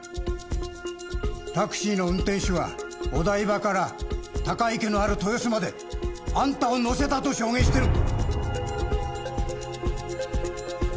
タクシーの運転手はお台場から高井家のある豊洲まであんたを乗せたと証言してる。